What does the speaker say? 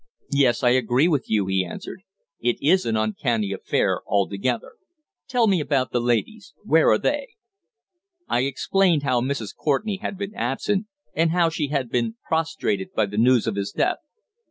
"Yes, I agree with you," he answered. "It is an uncanny affair altogether. Tell me about the ladies. Where are they?" I explained how Mrs. Courtenay had been absent, and how she had been prostrated by the news of his death.